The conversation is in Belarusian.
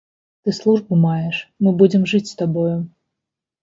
Ты службу маеш, мы будзем жыць з табою.